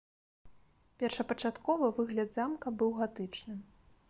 Першапачаткова выгляд замка быў гатычным.